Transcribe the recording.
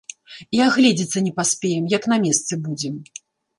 І агледзецца не паспеем, як на месцы будзем!